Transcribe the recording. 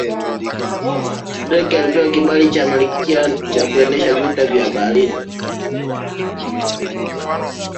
drake alipewa kibali cha malkia cha kuendesha vita vya baharini